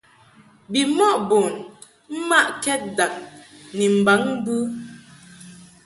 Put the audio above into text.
Bimɔʼ bun mmaʼkɛd dag ni mbaŋ mbɨ.